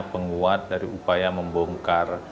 penguat dari upaya membongkar